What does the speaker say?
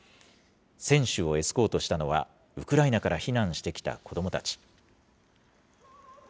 選手をエスコートしたのは、ウクライナから避難してきた子どもたち。